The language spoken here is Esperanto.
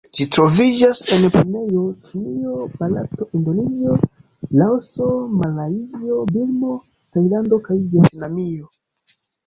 Ĝi troviĝas en Brunejo, Ĉinio, Barato, Indonezio, Laoso, Malajzio, Birmo, Tajlando kaj Vjetnamio.